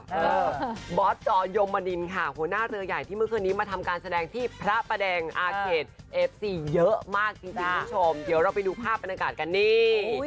เออบอสจยมมดินค่ะหัวหน้าเรือใหญ่ที่เมื่อคืนนี้มาทำการแสดงที่พระประแดงอาเขตเอฟซีเยอะมากจริงคุณผู้ชมเดี๋ยวเราไปดูภาพบรรยากาศกันนี่